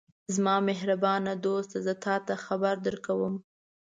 زما مهربانه دوسته! زه تاته خبر درکوم.